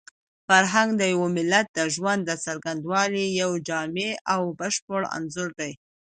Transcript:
فرهنګ د یو ملت د ژوند د څرنګوالي یو جامع او بشپړ انځور دی.